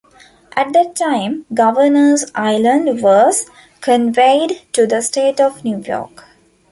At that time Governors Island was conveyed to the State of New York.